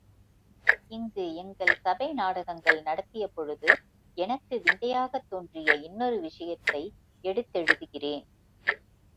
இங்கு எங்கள் சபை நாடகங்கள் நடத்தியபொழுது எனக்கு விந்தையாகத் தோன்றிய இன்னொரு விஷயத்தை எடுத்தெழுதுகிறேன்.